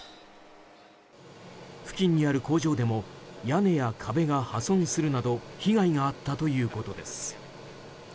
付近にある工場でも屋根や壁が破損するなど被害があったということです。